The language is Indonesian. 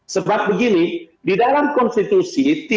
sebab begini di dalam konstitusi